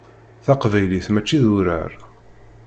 Taqbaylit mačči d urar.